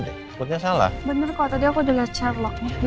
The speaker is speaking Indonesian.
deh sepertinya salah bener kau tadi aku juga sherlocknya di sini pak